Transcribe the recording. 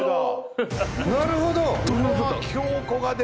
なるほど！